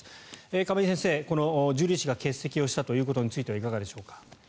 亀井先生、ジュリー氏が欠席をしたことについていかがでしょうか。